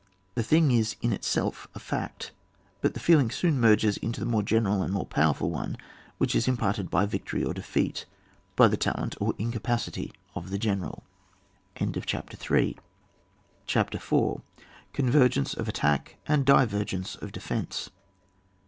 The thing is in itself a fact, but the feeling soon merges into the more general and more powerful one which is imparted by victory or defeat, by the talent or incapacity of the general. CHAPTER IV. CONVERGENCE OF ATTACK AND DIVERGENCE OF DEFENCE.